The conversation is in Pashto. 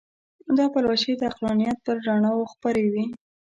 دا پلوشې د عقلانیت پر رڼاوو خپرې وې.